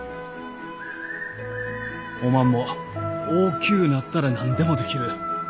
おまんも大きゅうなったら何でもできる。